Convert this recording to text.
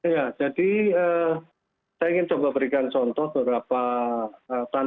ya jadi saya ingin coba berikan contoh beberapa tantangan terhadap riset ini